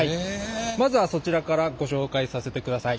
まずはそちらからご紹介させてください。